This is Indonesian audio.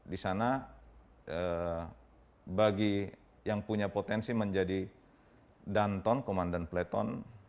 di sana bagi yang punya potensi menjadi danton komandan platon